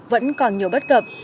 vẫn còn nhiều bất cập